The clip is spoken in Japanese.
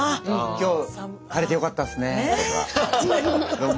「今日晴れてよかったっすね」とか。